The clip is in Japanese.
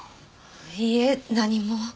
いいえ何も。